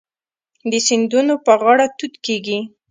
د سیندونو په غاړه توت کیږي.